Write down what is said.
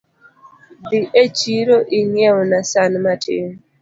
Dhi e chiro ing'iewna san matin